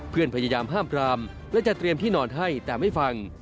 พยายามห้ามปรามและจะเตรียมที่นอนให้แต่ไม่ฟัง